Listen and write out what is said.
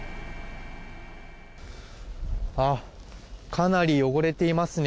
かなり汚れていますね。